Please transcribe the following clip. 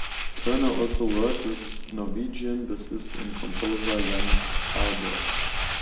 Turner also worked with Norwegian bassist and composer Jan Holberg.